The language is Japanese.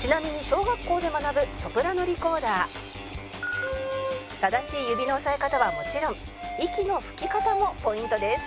ちなみに小学校で学ぶ正しい指の押さえ方はもちろん息の吹き方もポイントです